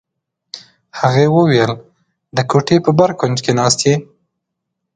هغې وویل: د کوټې په بر کونج کې ناست یې.